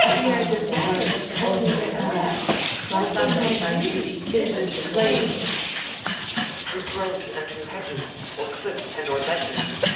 We are desirous Only, at last, Clasping thy beauty. Kisses to claim! EUPHORION. Through groves and through hedges I O'er cliffs and o'er ledges